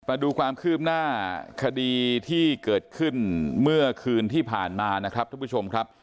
มาดูความคืบหน้าคดีที่เกิดขึ้นเมื่อคืนที่ผ่านมานะครับทุกผู้ชมครับ